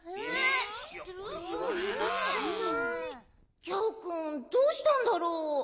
こころのこえギャオくんどうしたんだろう。